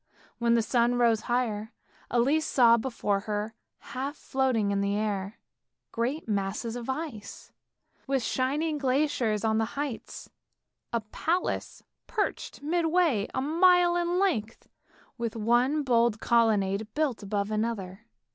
When the sun rose higher, Elise saw before her half floating in the air great masses of ice, with shining glaciers on the heights. A palace was perched midway a mile in length, with one bold colonnade built above another.